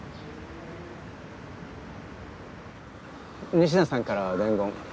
仁科さんから伝言。